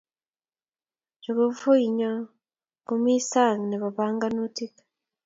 Jokofuinyo komie sang nebo panganutik